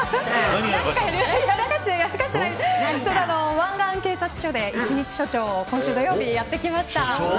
湾岸警察署で一日署長を今週土曜日やってきました。